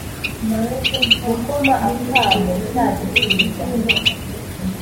gukoma akamo cya gisiga